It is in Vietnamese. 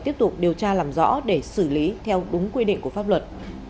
tiếp tục điều tra làm rõ để xử lý theo đúng quy định của pháp luật